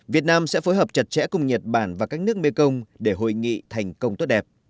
việt nam sẽ phối hợp chặt chẽ cùng nhật bản và các nước mekong để hội nghị thành công tốt đẹp